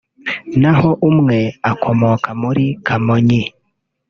n’aho umwe akomoka muri Kamonyi